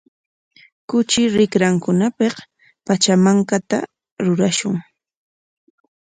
Kuchi rikrankunapik pachamankata rurashun.